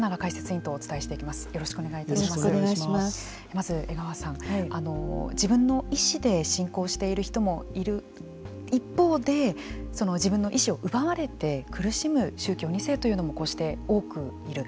まず江川さん、自分の意思で信仰している人もいる一方でその自分の意思を奪われて苦しむ宗教２世というのもこうして多くいる。